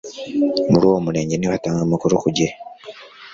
muri uwo murenge ntibatanga amakuru kugihe